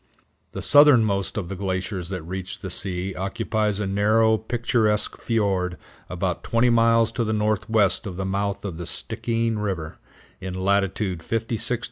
The southernmost of the glaciers that reach the sea occupies a narrow, picturesque fiord about twenty miles to the northwest of the mouth of the Stikeen River, in latitude 56° 50′.